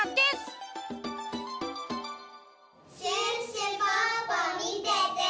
シュッシュポッポみてて！